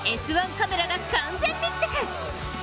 カメラが完全密着！